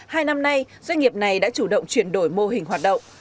hai năm nay doanh nghiệp này đã chủ động chuyển đổi mô hình hoạt động